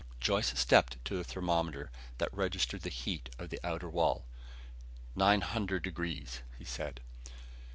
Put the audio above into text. Joyce stepped to the thermometer that registered the heat of the outer wall. "Nine hundred degrees," he said.